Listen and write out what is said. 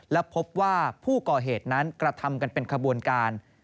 และพบว่าผู้ก่อเหตุนั้นกระทำกันเป็นขบวนการ